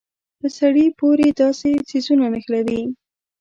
په سړي پورې داسې څيزونه نښلوي.